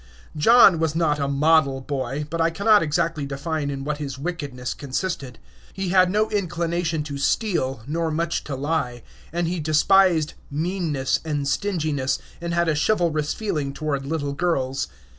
John was not a model boy, but I cannot exactly define in what his wickedness consisted. He had no inclination to steal, nor much to lie; and he despised "meanness" and stinginess, and had a chivalrous feeling toward little girls.